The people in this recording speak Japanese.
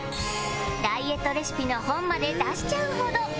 ダイエットレシピの本まで出しちゃうほど